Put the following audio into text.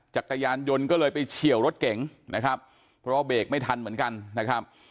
จักรยานยนต์ก็เลยไปเฉียวรถเก๋งนะครับเพราะว่าเบรกไม่ทันเหมือนกันนะครับ